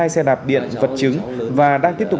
hai xe đạp điện vật chứng và đang tiếp tục